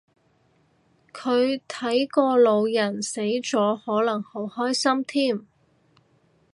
佢睇個老人死咗可能好開心添